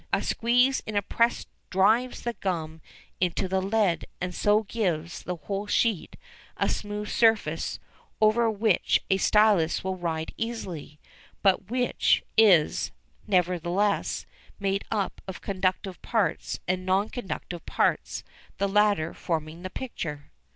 A squeeze in a press drives the gum into the lead, and so gives the whole sheet a smooth surface over which a stylus will ride easily, but which is, nevertheless, made up of conductive parts and non conductive parts, the latter forming the picture.